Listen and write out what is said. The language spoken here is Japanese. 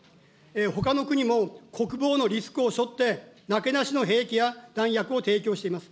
ほかの国も国防のリスクをしょって、なけなしの兵器や弾薬を提供しています。